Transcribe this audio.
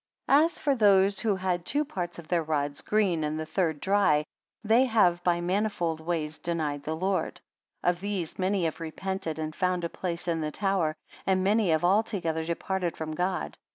68 As for those who had two parts of their rods green, and the third dry; they have by manifold ways denied the Lord. Of these many have repented, and found a place in the tower: and many have altogether departed from God.